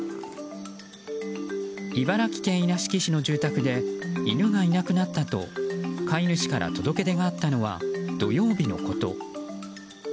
茨城県稲敷市の住宅で犬がいなくなったと飼い主から届け出があったのは土曜日のこと。